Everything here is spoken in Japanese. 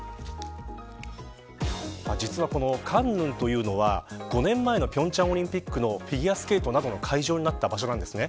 実は、この江陵というのは５年前の平昌オリンピックのフィギュアスケートなどの会場になった場所なんです。